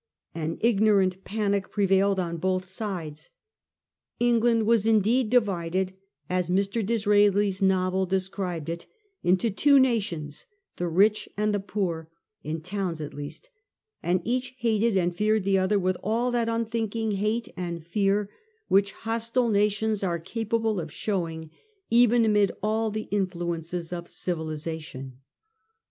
An ignorant panic pre vailed on both sides. England was indeed divided then, as Mr. Disraeli's novel described it, into two nations, the rich and the poor, in towns at least ; and each hated and feared the other with all that unthinking hate and fear which hostile nations are capable of showing even amid all the influences of civilisation.